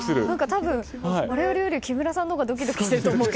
多分我々より木村さんのほうがドキドキしてると思うけど。